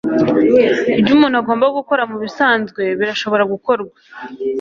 ibyo umuntu agomba gukora mubisanzwe birashobora gukorwa